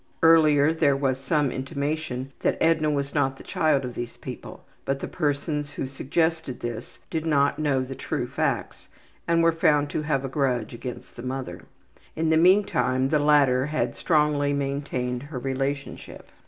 Earlier there was some intimation that Edna was not the child of these people, but the persons who suggested this did not know the true facts and were found to have a grudge against the mother. In the meantime the latter had strongly maintained her relationship.